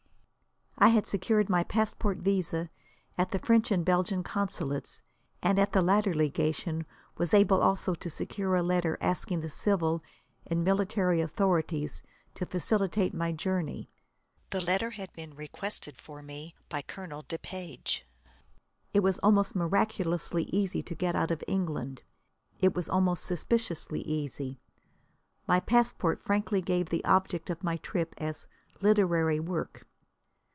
I had secured my passport visé at the French and Belgian Consulates, and at the latter legation was able also to secure a letter asking the civil and military authorities to facilitate my journey. The letter had been requested for me by Colonel Depage. It was almost miraculously easy to get out of England. It was almost suspiciously easy. My passport frankly gave the object of my trip as "literary work."